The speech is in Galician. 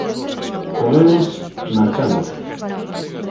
Con eles marchamos.